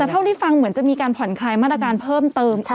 แต่เท่าที่ฟังเหมือนจะมีการผ่อนคลายมาตรการเพิ่มเติม